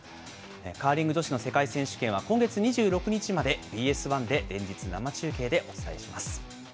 カーリング女子の世界選手権は、今月２６日までＢＳ１で連日生中継でお伝えします。